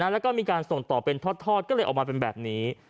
แล้วก็มีการส่งต่อเป็นทอดก็เลยออกมาเป็นแบบนี้